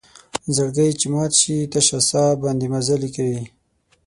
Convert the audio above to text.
زړګۍ چې مات شي تشه سا باندې مزلې کوي